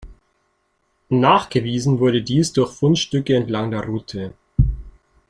Nachgewiesen wurde dies durch Fundstücke entlang der Route.